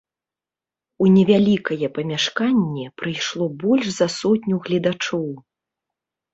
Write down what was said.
У невялікае памяшканне прыйшло больш за сотню гледачоў.